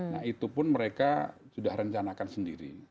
nah itu pun mereka sudah rencanakan sendiri